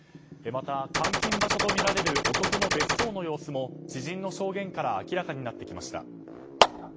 また、監禁場所とみられる男の別荘の様子も知人の証言から明らかになってきました。